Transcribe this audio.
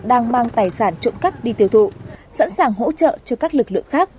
đang mang tài sản trộm cắp đi tiêu thụ sẵn sàng hỗ trợ cho các lực lượng khác